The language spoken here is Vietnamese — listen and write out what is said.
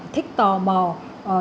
thích tò mò